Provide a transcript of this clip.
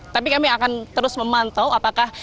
tapi kami akan terus memantau apakah